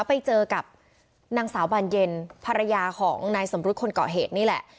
ไปเจอกับนางสาวบานเย็นภรรยาของนายสมรุษคนเกาะเหตุนี่แหละ